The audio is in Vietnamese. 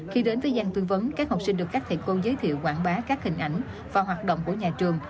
khi đến với giang tư vấn các học sinh được các thầy cô giới thiệu quảng bá các hình ảnh và hoạt động của nhà trường